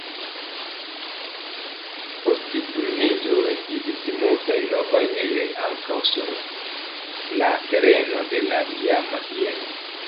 Post Turniĝo estiĝis multaj novaj ejoj, ankaŭ sur la tereno de la iama bieno.